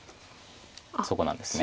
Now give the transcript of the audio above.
そこなんです。